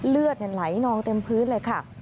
เลือดไหลนองเต็มพื้นเลยค่ะ